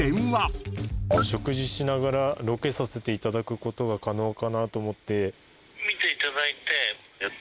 お食事しながらロケさせていただくことは可能かなと思って。